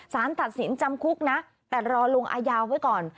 สารตัดสินจำคุกนะแต่รอลงอาญาไว้ก่อน